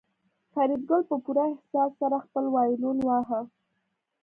فریدګل په پوره احساس سره خپل وایلون واهه